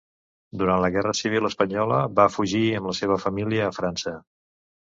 Durant la guerra civil espanyola va fugir amb la seva família a França.